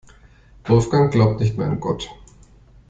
Wolfgang glaubt nicht mehr an Gott.